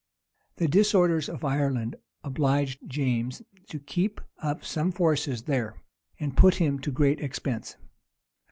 The disorders of Ireland obliged James to keep up some forces there, and put him to great expense.